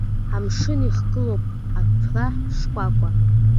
Амшын ихгылоуп аԥра шкәакәа!